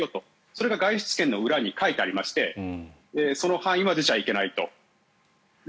それが外出券の裏に書いてありましてその範囲までしか行けないと。